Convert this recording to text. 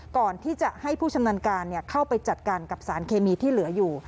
ก่อนที่จะให้ผู้ชำนาญการเข้าไปจัดการกับสารเคมีที่เหลืออยู่